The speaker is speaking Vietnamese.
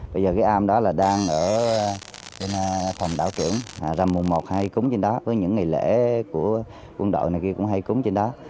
bây giờ cái am đó là đang ở phòng đạo trưởng ra mùa một hay cúng trên đó với những ngày lễ của quân đội này kia cũng hay cúng trên đó